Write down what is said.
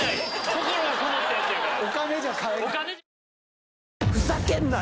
心がこもったやつやから。